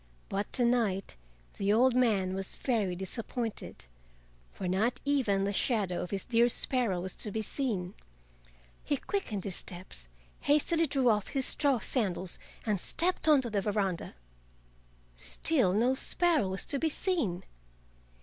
But to night the old man was very disappointed, for not even the shadow of his dear sparrow was to be seen. He quickened his steps, hastily drew off his straw sandals, and stepped on to the veranda. Still no sparrow was to be seen.